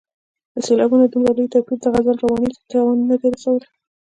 د سېلابونو دومره لوی توپیر د غزل روانۍ ته تاوان نه دی رسولی.